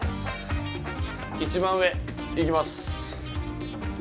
一番上、行きます。